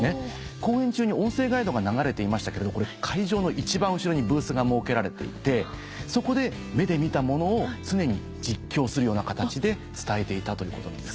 公演中に音声ガイドが流れていましたけれどこれ会場の一番後ろにブースが設けられていてそこで目で見たものを常に実況するような形で伝えていたということなんですよ。